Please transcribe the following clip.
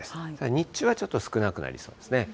日中はちょっと少なくなりそうですね。